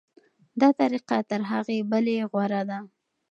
دا طریقه تر هغې بلې غوره ده.